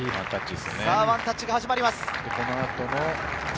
ワンタッチが始まります。